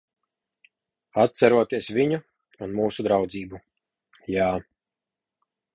Atceroties viņu un mūsu draudzību. Jā.